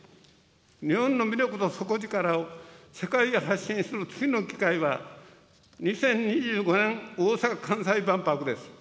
日本の魅力と底力を世界に発信する次の機会は、２０２５年大阪・関西万博です。